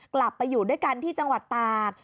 กลับไปอยู่ด้วยกันที่จังหวัดตาก